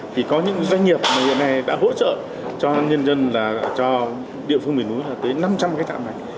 thì có những doanh nghiệp mà hiện nay đã hỗ trợ cho nhân dân là cho địa phương miền núi là tới năm trăm linh cái chạm này